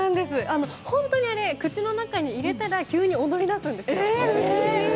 本当にあれ、口の中に入れたら急に踊り出すんですよ。